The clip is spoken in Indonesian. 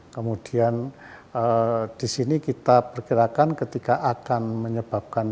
kemudian di sini kita perkirakan ketika akan menyebabkan